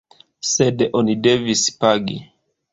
Sed oni devis pagi.